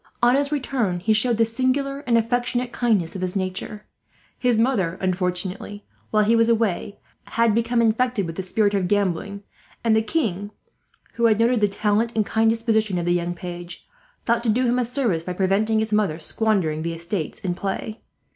"On his return he showed the singular and affectionate kindness of his nature. His mother, unfortunately, while he was away, had become infected with the spirit of gambling; and the king, who had noted the talent and kind disposition of the young page, thought to do him a service by preventing his mother squandering the estates in play.